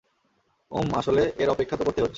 উম, আসলে, এর অপেক্ষা তো করতেই হচ্ছে।